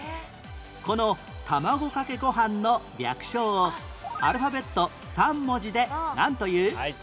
この卵かけご飯の略称をアルファベット３文字でなんという？